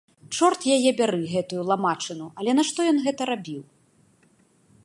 Чорт яе бяры, гэтую ламачыну, але нашто ён гэта рабіў?